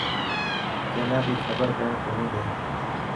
ڪينا بي خبر پيڻ ڪوني ڏي.